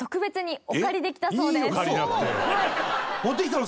持ってきたの？